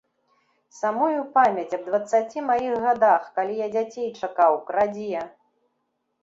Самую памяць аб дваццаці маіх гадах, калі я дзяцей чакаў, крадзе!